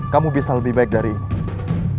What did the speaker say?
kamu bisa lebih baik dari ini